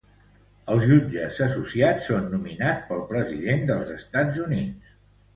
Els jutges associats són nominats pel president dels Estats Units.